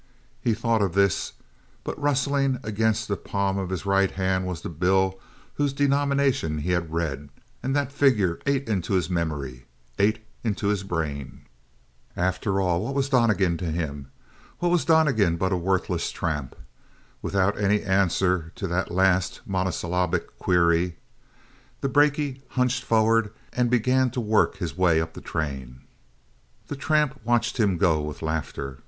He thought of this, but rustling against the palm of his right hand was the bill whose denomination he had read, and that figure ate into his memory, ate into his brain. After all what was Donnegan to him? What was Donnegan but a worthless tramp? Without any answer to that last monosyllabic query, the brakie hunched forward, and began to work his way up the train. The tramp watched him go with laughter.